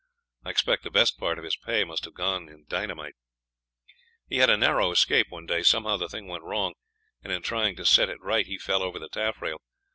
I expect the best part of his pay must have gone in dynamite. "He had a narrow escape one day; somehow the thing went wrong, and in trying to set it right he fell over the taffrail.